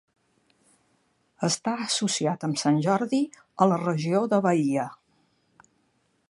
Està associat amb Sant Jordi a la regió de Bahia.